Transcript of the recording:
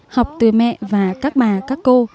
học từ mẹ và các bà các cô